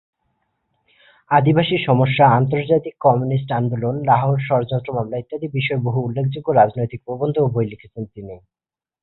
আদিবাসী সমস্যা, আন্তর্জাতিক কমিউনিস্ট আন্দোলন, লাহোর ষড়যন্ত্র মামলা ইত্যাদি বিষয়ে বহু উল্লেখযোগ্য রাজনৈতিক প্রবন্ধ ও বই লিখেছেন তিনি।